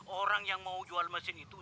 orang yang mau jual mesin itu